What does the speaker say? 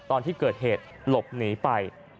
ตอนที่เกิดเหตุหลบหนีไป